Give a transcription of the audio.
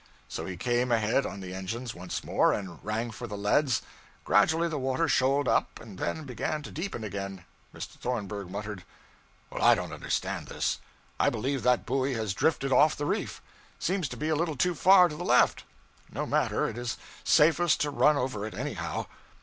So he came ahead on the engines once more, and rang for the leads. Gradually the water shoaled up, and then began to deepen again! Mr. Thornburg muttered 'Well, I don't understand this. I believe that buoy has drifted off the reef. Seems to be a little too far to the left. No matter, it is safest to run over it anyhow.'